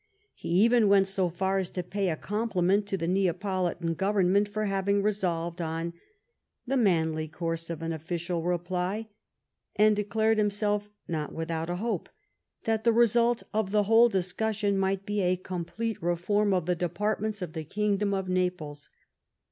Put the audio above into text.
He even went so far as to pay a compliment to the Neapolitan Govern ment for having resolved on " the manly course of an official reply," and declared himself not without a hope that the result of the whole discussion might be a complete reform of the departments of the kingdom of Naples.